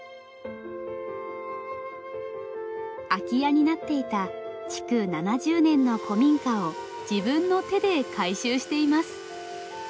空き家になっていた築７０年の古民家を自分の手で改修しています。